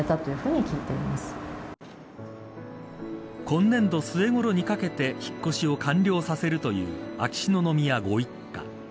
今年度末ごろにかけて引っ越しを完了させるという秋篠宮ご一家。